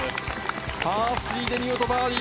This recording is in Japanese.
パー３で見事バーディー。